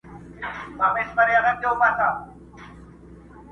تېر کال د هیواد لوی شاعر او زما درانه استاد ښاغلي جهاني صاحب.!